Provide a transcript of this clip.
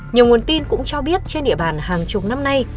nhiều nguồn tin cũng cho biết trên địa bàn hàng chục năm nay